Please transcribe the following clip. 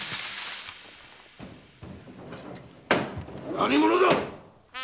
何者だ！